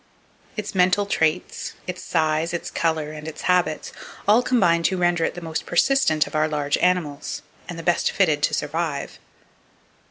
Its mental traits, its size, its color and its habits all combine to render it the most persistent of our large animals, and the best fitted to survive.